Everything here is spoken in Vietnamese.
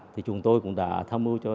thì chúng tôi cũng đã tham mưu cho